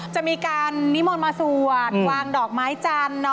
จะมีการนิมนต์มาสวดวางดอกไม้จันทร์